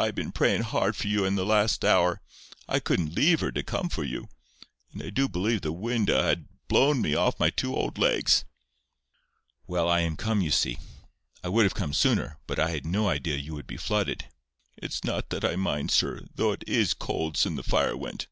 I been prayin' hard for you for the last hour. I couldn't leave her to come for you. And I do believe the wind 'ud ha' blown me off my two old legs." "Well, I am come, you see. I would have come sooner, but I had no idea you would be flooded." "It's not that I mind, sir, though it IS cold sin' the fire went.